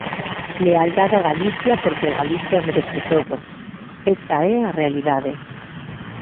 Lealdade a Galicia porque Galicia o merece todo, esa é a realidade.